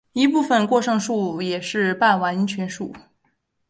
一部分过剩数也是半完全数。